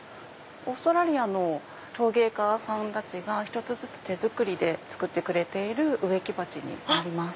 オーストラリアの陶芸家さんたちが１つずつ手作りで作ってくれている植木鉢になります。